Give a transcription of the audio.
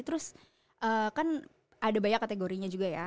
terus kan ada banyak kategorinya juga ya